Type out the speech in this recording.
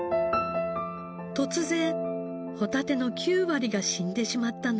突然ホタテの９割が死んでしまったのです。